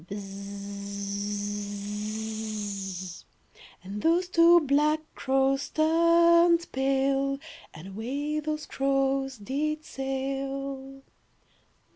And those two black crows Turned pale, And away those crows did sail.